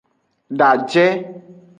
Daje.